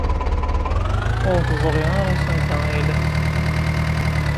Ur teẓri ara sanda ay la tetteddu.